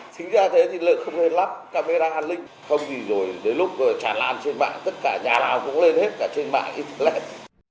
sinh ra thế thì lợi không nên lắp camera an ninh không gì rồi đến lúc tràn lan trên mạng tất cả nhà nào cũng lên hết cả trên mạng internet